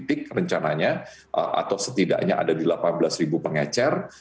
dan setidaknya ada di delapan belas pengecar